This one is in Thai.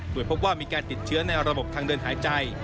โดยพบว่ามีการติดเชื้อในระบบทางเดินหายใจ